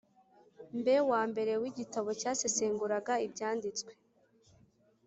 mbe wa mbere w igitabo cyasesenguraga Ibyanditswe